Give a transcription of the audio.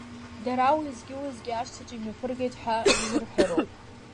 Дара уеизгьы-уеизгьы ашҭаҿы имҩаԥыргеит ҳәа рзырҳәароуп.